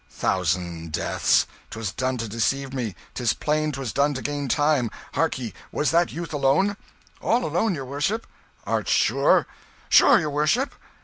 "Thousand deaths! 'Twas done to deceive me 'tis plain 'twas done to gain time. Hark ye! Was that youth alone?" "All alone, your worship." "Art sure?" "Sure, your worship."